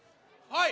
はい！